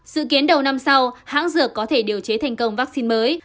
dự kiến đầu năm sau hãng dược có thể điều chế thành công vaccine mới